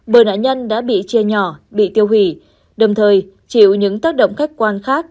bởi nạn nhân đã bị chia nhỏ bị tiêu hủy đồng thời chịu những tác động khách quan khác